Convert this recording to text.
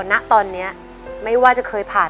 ณตอนนี้ไม่ว่าจะเคยผ่าน